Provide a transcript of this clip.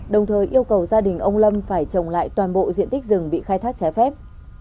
đồng thời yêu cầu gia đình ông lâm phải trồng lại toàn bộ diện tích rừng bị khai thác trái phép